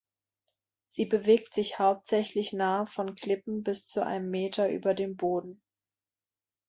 Sie bewegt sich hauptsächlich nahe von Klippen bis zu einem Meter über dem Boden.